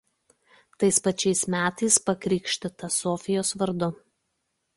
Tais pačiais metais pakrikštyta Sofijos vardu.